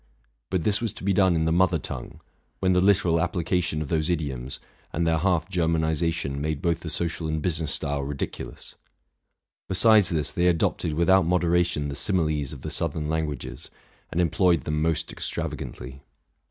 But this was to be done in the mother tongue, when the literal application of those idioms, and their half Ger manization, made both the social and business style ridicu lous. Besides this, they adopted without moderation the similes of the southern languages, and employed them most extravagantly.